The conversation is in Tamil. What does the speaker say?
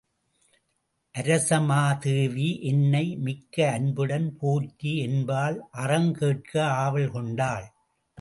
அரசமாதேவி என்னை மிக்க அன்புடன் போற்றி, என்பால் அறங்கேட்க ஆவல் கொண்டாள்.